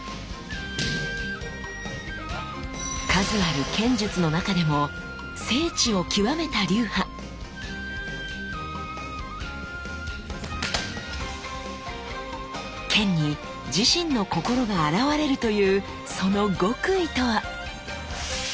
数ある剣術の中でも剣に自身の心が表れるというその極意とは？